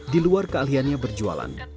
di luar kealiannya berjualan